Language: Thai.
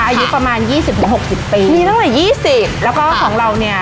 อายุประมาณยี่สิบถึงหกสิบปีมีตั้งแต่ยี่สิบแล้วก็ของเราเนี่ย